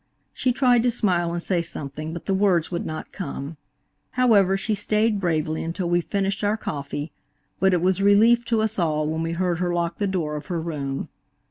She tried to smile and say something, but the words would not come. However, she stayed bravely until we finished our coffee, but it was a relief to us all when we heard her lock the door of her room.